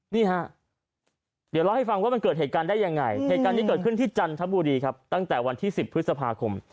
นี่ฮะเดี๋ยวเล่าให้ฟังว่ามันเกิดเหตุการณ์ได้ยังไงเหตุการณ์นี้เกิดขึ้นที่จันทบุรีครับตั้งแต่วันที่๑๐พฤษภาคม